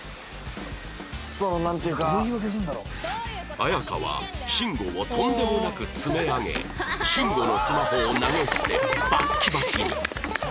アヤカはシンゴをとんでもなく詰め上げシンゴのスマホを投げ捨てバッキバキに